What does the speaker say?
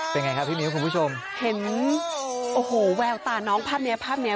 เป็นไงครับพี่มิ้วคุณผู้ชมเห็นโอ้โหแววตาน้องภาพเนี้ยภาพเนี้ย